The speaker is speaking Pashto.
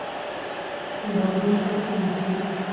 باروچ پوښتنه کوي.